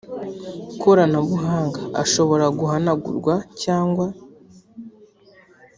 koranabuhanga ashobora guhanagurwa cyangwa